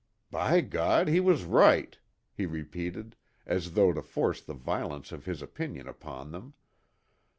"By God, he was right!" he repeated, as though to force the violence of his opinion upon them.